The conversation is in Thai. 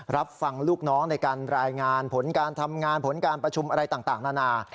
รับฟังลูกน้องในการรายงานผลการทำงานผลการประชุมอะไรต่างนานา